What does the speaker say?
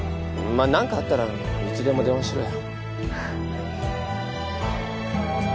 あ何かあったらいつでも電話しろよ